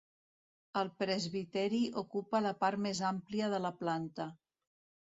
El presbiteri ocupa la part més àmplia de la planta.